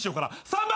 ３番。